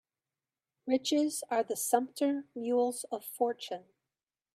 Riches are the sumpter mules of fortune